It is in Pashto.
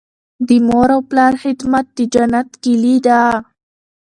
د مور او پلار خدمت د جنت کیلي ده.